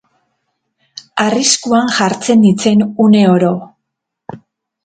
Arriskuan jartzen nintzen une oro.